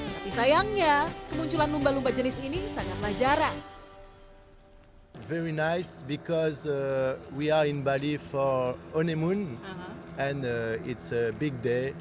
tapi sayangnya kemunculan lumba lumba jenis ini sangatlah jarang